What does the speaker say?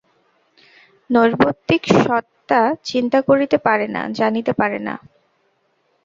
নৈর্ব্যক্তিক সত্তা চিন্তা করিতে পারে না, জানিতে পারে না।